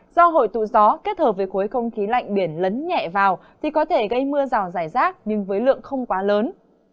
do hội tụ gió kết hợp với khối không khí lạnh biển lấn nhẹ vào thì có thể gây mưa rào dài rác nhưng với lượng không quá lớn